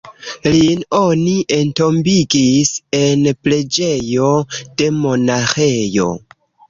Lin oni entombigis en preĝejo de monaĥejo.